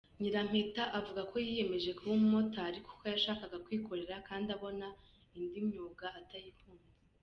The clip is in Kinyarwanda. Nyirampeta avuga ko yiyemeje kuba umumotari, kuko yashakaga kwikorera kandi abona indi myuga atayikunze.